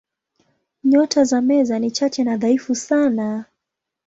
Nyota za Meza ni chache na dhaifu sana.